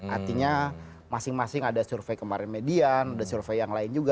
artinya masing masing ada survei kemarin median ada survei yang lain juga